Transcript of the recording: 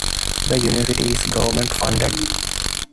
The university is government funded.